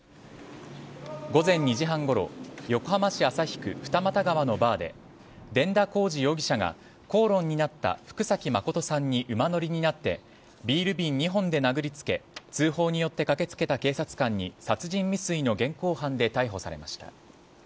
午前２時半ごろ横浜市旭区二俣川のバーで伝田貢士容疑者が、口論になった福崎誠さんに馬乗りになってビール瓶２本で殴りつけ通報によって駆けつけた警察官に殺人未遂の現行犯で逮捕されました。